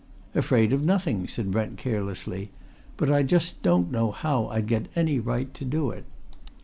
"Afraid of nothing," said Brent carelessly. "But I just don't know how I'd get any right to do it.